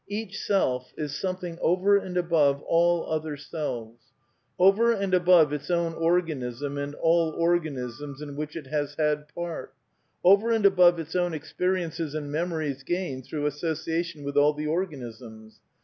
Each seK is something over and above all othep ^ selves; over and above its own organism and all organisms in which it has had part ; over and above its own experi ences and memories gained through association with all the organisms.